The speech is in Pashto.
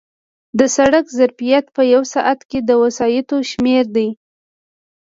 د سړک ظرفیت په یو ساعت کې د وسایطو شمېر دی